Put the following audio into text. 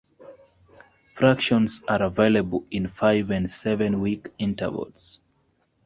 Fractions are available in five and seven week intervals.